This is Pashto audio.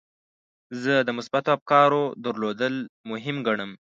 زه د مثبتو افکارو درلودل مهم ګڼم.